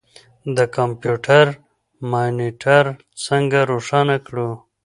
د کمپیوټر مانیټر څنګه روښانه کړو.